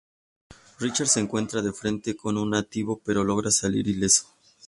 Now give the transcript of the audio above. Richard se encuentra de frente con un nativo, pero logra salir ileso.